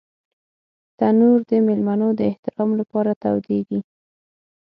تنور د مېلمنو د احترام لپاره تودېږي